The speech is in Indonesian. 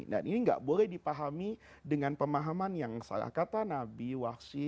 nah ini nggak boleh dipahami dengan pemahaman yang salah kata nabi wasi